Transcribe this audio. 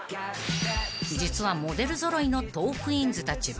［実はモデル揃いのトークィーンズたち］